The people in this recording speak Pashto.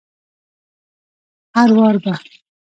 هروار به